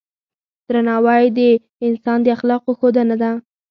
درناوی د انسان د اخلاقو ښودنه ده.